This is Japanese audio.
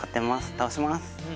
倒します。